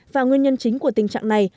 và nguyên nhân chính của tình trạng này